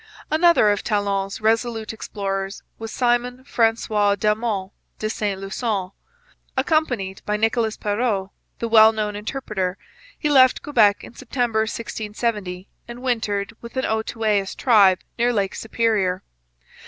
Another of Talon's resolute explorers was Simon Francois Daumont de Saint Lusson. Accompanied by Nicolas Perrot, the well known interpreter, he left Quebec in September 1670, and wintered with an Outaouais tribe near Lake Superior.